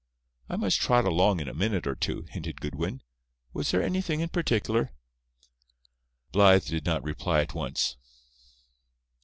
"I must trot along in a minute or two," hinted Goodwin. "Was there anything in particular?" Blythe did not reply at once.